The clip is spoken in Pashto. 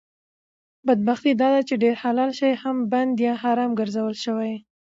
بدبختي داده چې ډېر حلال شی هم بند یا حرام ګرځول شوي